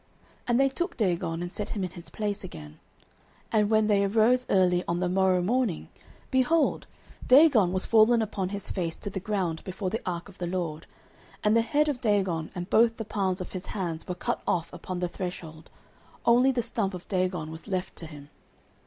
And they took Dagon, and set him in his place again. 09:005:004 And when they arose early on the morrow morning, behold, Dagon was fallen upon his face to the ground before the ark of the LORD; and the head of Dagon and both the palms of his hands were cut off upon the threshold; only the stump of Dagon was left to him.